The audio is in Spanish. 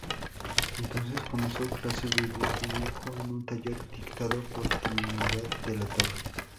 Entonces comenzó clases de dibujo en un taller dictado por Trinidad de la Torre.